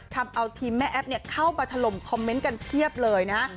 ทำเอาทีมแม่แอ๊บเข้ามาถล่มคอมเมนต์กันเพียบเลยนะ